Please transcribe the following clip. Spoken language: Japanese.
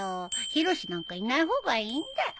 ヒロシなんかいない方がいいんだよ。